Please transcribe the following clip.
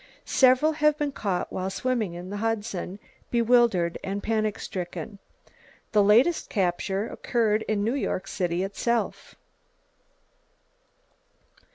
Several have been caught while swimming in the Hudson, bewildered and panic stricken. The latest capture occurred in New York City itself.